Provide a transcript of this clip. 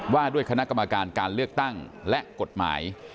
ว่าด้วยคกการเลือกตั้งและกฎหมาย